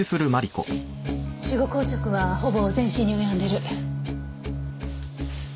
死後硬直はほぼ全身に及んでる。